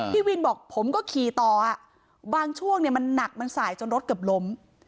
พี่วินบอกผมก็ขี่ต่อบางช่วงเนี่ยมันหนักมันสายจนรถเกือบล้ม